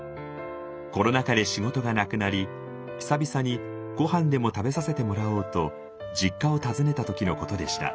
コロナ禍で仕事がなくなり久々にごはんでも食べさせてもらおうと実家を訪ねた時のことでした。